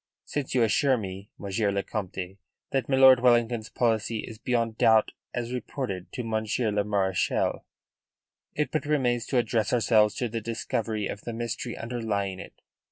Since you assure me, Monsieur le Comte, that milord Wellington's policy is beyond doubt, as reported to Monsieur, le Marechal, it but remains to address ourselves to the discovery of the mystery underlying it.